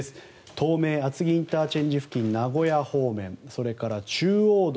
東名、厚木ＩＣ付近名古屋方面それから中央道